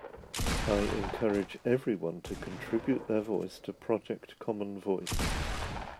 I encourage everyone to contribute their voice to Project Common Voice.